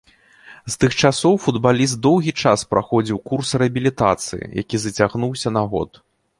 З тых часоў футбаліст доўгі час праходзіў курс рэабілітацыі, які зацягнуўся на год.